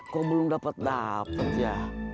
kok belum dapet dapet ya